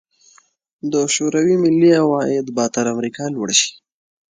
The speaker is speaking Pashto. د شوروي ملي عواید به تر امریکا لوړ شي.